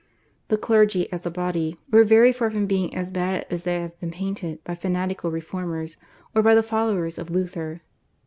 The clergy as a body were very far from being as bad as they have been painted by fanatical reformers or by the followers of Luther.